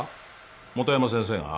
本山先生が？